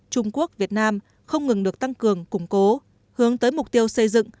trung quốc việt nam không ngừng được tăng cường củng cố hướng tới mục tiêu xây dựng